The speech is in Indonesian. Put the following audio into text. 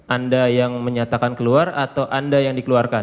anda yang menyatakan keluar atau anda yang dikeluarkan